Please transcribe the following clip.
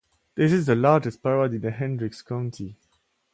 This is the largest parade in Hendricks County.